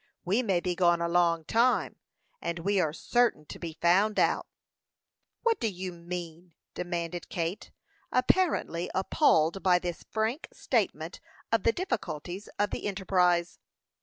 We may be gone a long time, and we are certain to be found out." "What do you mean?" demanded Kate, apparently appalled by this frank statement of the difficulties of the enterprise.